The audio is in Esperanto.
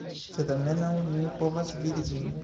Sed almenaŭ mi povas vidi ĝin